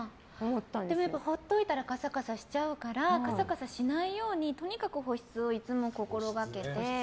でも、放っておいたらカサカサしちゃうからカサカサしないようにとにかく保湿をいつも心がけて。